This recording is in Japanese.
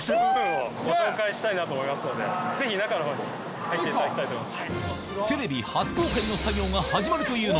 したいなと思いますのでぜひ中のほうに入っていただきたいと思います。